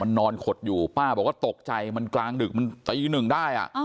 นอนขดอยู่ป้าบอกว่าตกใจมันกลางดึกมันตีหนึ่งได้